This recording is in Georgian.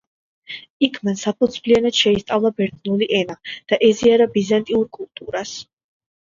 იქ მან საფუძვლიანად შეისწავლა ბერძნული ენა და აზიარა ბიზანტიურ კულტურას.